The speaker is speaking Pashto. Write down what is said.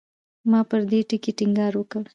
ما پر دې ټکي ټینګار وکړ.